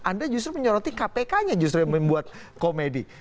anda justru menyoroti kpknya justru yang membuat komedi